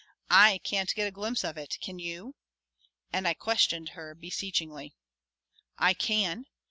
I can't get a glimpse of it. Can you?" and I questioned her beseechingly. "I can.